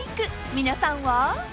皆さんは？］